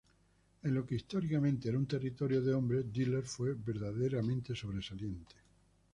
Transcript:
En lo que históricamente era un territorio de hombres, Diller fue verdaderamente sobresaliente.